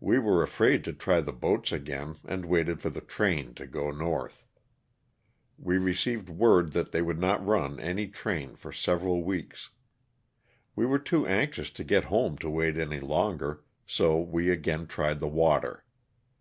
We were afraid to try the boats again and waited for the train to go North. We received word that they would not run any train for several weeks. We were too anxious to get home to wait any longer, so we again tried the water.